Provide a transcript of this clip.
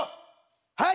はい！